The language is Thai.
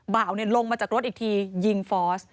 บ่าวลงมาจากรถอีกทียิงฟอส